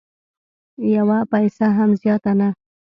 یوه پیسه هم زیاته نه